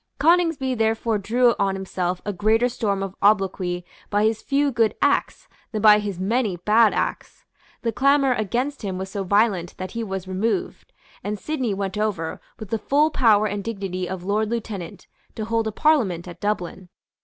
Coningsby therefore drew on himself a greater storm of obloquy by his few good acts than by his many bad acts. The clamour against him was so violent that he was removed; and Sidney went over, with the full power and dignity of Lord Lieutenant, to hold a Parliament at Dublin.